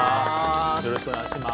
よろしくお願いします。